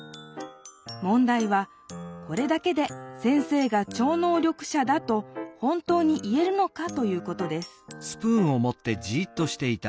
問題はこれだけで先生が超能力者だと本当に言えるのかということです